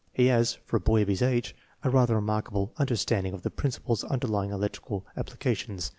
He has, for a boy of his age, a rather remarkable un derstanding of the principles underlying electrical applications.